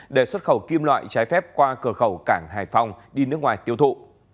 để xuất khẩu kim loại trái phép qua cửa khẩu cảng hải phòng đi nước ngoài tiêu thụ